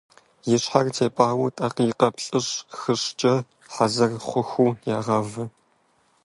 И щхьэр тепӀауэ дакъикъэ плӏыщӏ-хыщӏкӏэ, хьэзыр хъуху, ягъавэ.